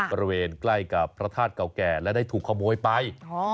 ใกล้กับพระธาตุเก่าแก่และได้ถูกขโมยไป